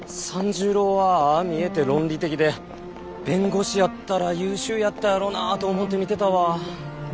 三十郎はああ見えて論理的で弁護士やったら優秀やったやろなあと思うて見てたわ。